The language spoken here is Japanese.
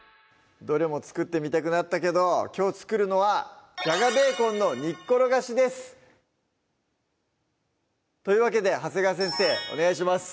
どれも作ってみたくなったけどきょう作るのは「じゃがベーコンの煮っころがし」ですというわけで長谷川先生お願いします